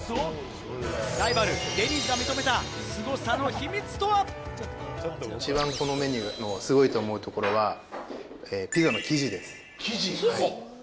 ライバル、デニーズが一番、このメニューのすごいと思うところはピザの生地です。